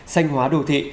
xanh hóa đồ thị